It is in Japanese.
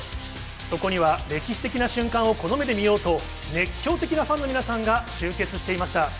そこには、歴史的な瞬間をこの目で見ようと、熱狂的なファンの皆さんが集結していました。